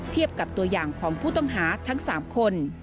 กับตัวอย่างของผู้ต้องหาทั้ง๓คน